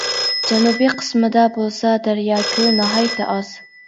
جەنۇبىي قىسمىدا بولسا دەريا، كۆل ناھايىتى ئاز.